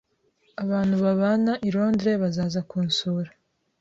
Abantu babana i Londres bazaza kunsura.